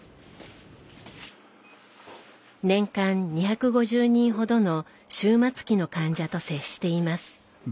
年間２５０人ほどの終末期の患者と接しています。